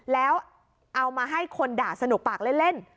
แล้วเอามาให้คนด่าสนุกปากเล่น